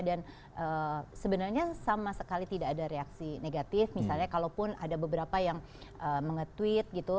dan sebenarnya sama sekali tidak ada reaksi negatif misalnya kalau pun ada beberapa yang menge tweet gitu